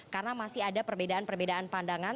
karena masih ada perbedaan perbedaan pandangan